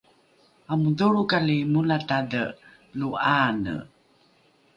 amodholrokali molatadhe lo ’aane?